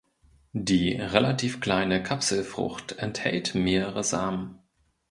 Die relativ kleine Kapselfrucht enthält mehrere Samen.